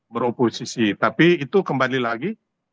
beroposisi tapi itu kembali lagi